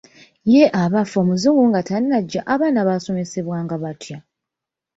Ye abaffe Omuzungu nga tannajja abaana baasomesebwanga batya?